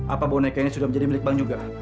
apa boneka ini sudah menjadi milik bank juga